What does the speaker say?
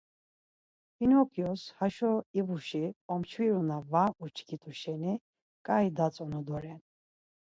Pinokyos haşo ivuşi omçviru na var uçkit̆u şeni ǩai datzonu doren.